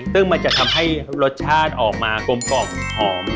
ซึ่งมันจะทำให้รสชาติออกมากลมกล่อมหอม